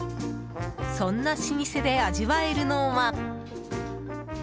そんな老舗で味わえるのは。